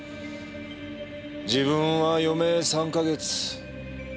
自分は余命３か月。